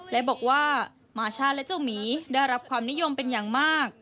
และบอกว่ามาช่าและเจ้าหมีได้รับความนิยมเป็นอย่างมาก